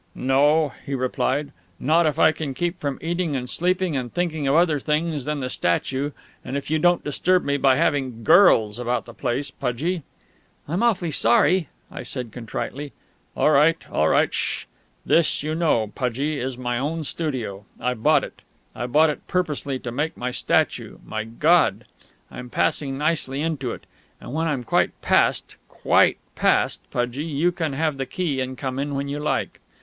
"No," he replied, "not if I can keep from eating and sleeping and thinking of other things than the statue and if you don't disturb me by having girls about the place, Pudgie." "I'm awfully sorry," I said contritely. "All right, all right; ssh!... This, you know, Pudgie, is my own studio; I bought it; I bought it purposely to make my statue, my god. I'm passing nicely into it; and when I'm quite passed quite passed, Pudgie you can have the key and come in when you like."